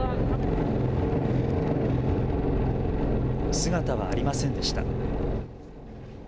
姿はありませんでした。